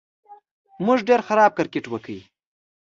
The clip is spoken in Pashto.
موږ ډېر خراب کرېکټ وکړ